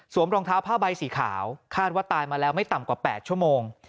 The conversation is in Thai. รองเท้าผ้าใบสีขาวคาดว่าตายมาแล้วไม่ต่ำกว่า๘ชั่วโมง